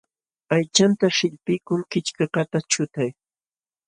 Aychanta sillpiykul kichkakaqta chutay.